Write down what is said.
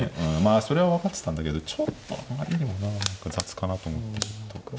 それは分かってたんだけどちょっとあまりにも何か雑かなと思って。